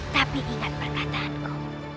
tapi ingat perkataanku